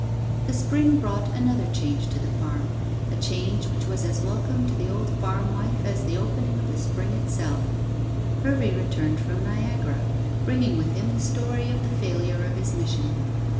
The spring brought another change to the farm, a change which was as welcome to the old farm wife as the opening of the spring itself. Hervey returned from Niagara, bringing with him the story of the failure of his mission.